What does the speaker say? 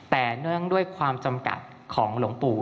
แต่เนื่องด้วยความจำกัดของหลวงปู่